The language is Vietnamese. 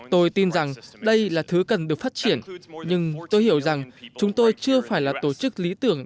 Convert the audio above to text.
tôi tin rằng đây là thứ cần được phát triển nhưng tôi hiểu rằng chúng tôi chưa phải là tổ chức lý tưởng